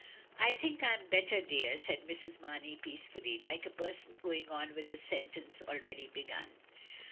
"I think I am better, dear," said Mrs. Marney peacefully, like a person going on with a sentence already begun.